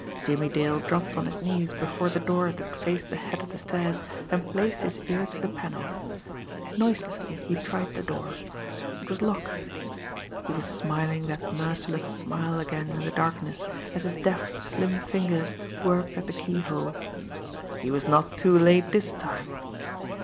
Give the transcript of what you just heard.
Jimmie Dale dropped on his knees before the door that faced the head of the stairs, and placed his ear to the panel. Noiselessly he tried the door. It was locked. He was smiling that merciless smile again in the darkness, as his deft, slim fingers worked at the keyhole. He was not too late this time!